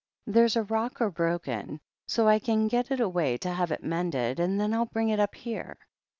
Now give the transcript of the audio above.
There's a rocker broken, so I can get it away to have it mended, and then TU bring it up here.